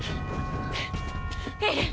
エレン。